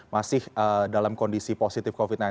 masih dalam kondisi positif covid sembilan belas